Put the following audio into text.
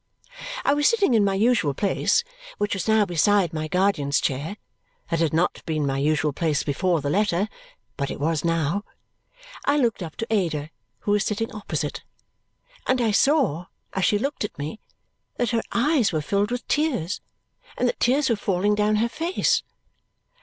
I was sitting in my usual place, which was now beside my guardian's chair. That had not been my usual place before the letter, but it was now. I looked up to Ada, who was sitting opposite, and I saw, as she looked at me, that her eyes were filled with tears and that tears were falling down her face.